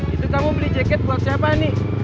itu kamu beli jaket buat siapa nih